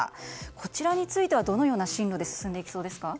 こちらについては、どのような進路で進んでいきそうですか。